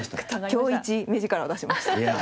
今日イチ目力を出しました。